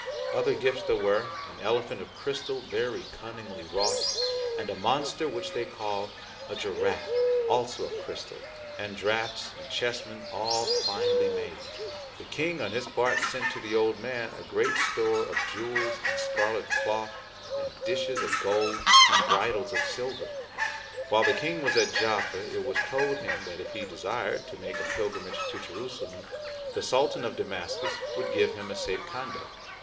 Other gifts there were, an elephant of crystal, very cunningly wrought, and a monster which they call a giraffe, also of crystal, and draughts and chessmen, all finely made. The King, on his part, sent to the Old Man a great store of newels, and scarlet cloth, and dishes of gold and bridles of silver. While the King was at Jaffa it was told him that if he desired to make a pilgrimage to Jerusalem the Sultan of Damascus would give him a safe conduct.